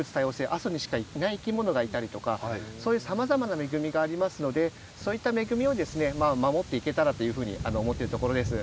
阿蘇にしかいない生き物がいたりとかそういうさまざまな恵みがありますのでそういった恵みを守っていけたらというふうに思っているところです。